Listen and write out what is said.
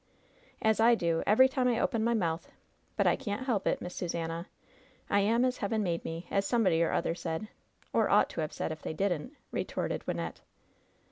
"As I do every time I open my mouth. But I can't help it, Miss Susannah. ^I am as Heaven made me,' as somebody or other said — or ought to have said, if they didn't," retorted Wynnette.